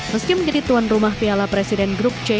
meski menjadi tuan rumah piala presiden grup c